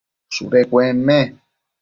shudu cuenme